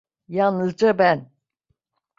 Yalnızca ben.